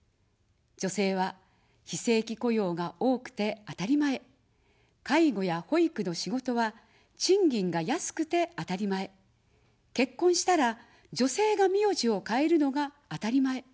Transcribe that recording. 女性は非正規雇用が多くてあたりまえ、介護や保育の仕事は賃金が安くてあたりまえ、結婚したら、女性が名字を変えるのがあたりまえ。